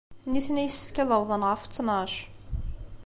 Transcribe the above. Nitni yessefk ad awḍen ɣef ttnac.